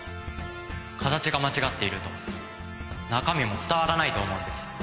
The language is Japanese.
形が間違っていると中身も伝わらないと思うんです。